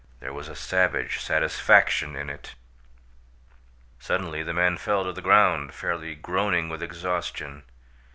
There was a savage satisfaction in it. Suddenly the man fell to the ground, fairly groaning with exhaustion.